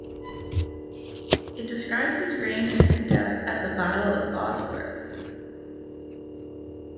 It describes his reign and his death at the Battle of Bosworth.